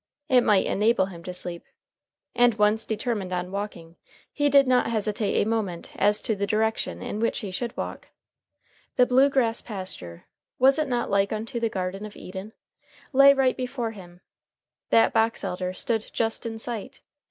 It might enable him to sleep. And once determined on walking, he did not hesitate a moment as to the direction in which he should walk. The blue grass pasture (was it not like unto the garden of Eden?) lay right before him. That box elder stood just in sight.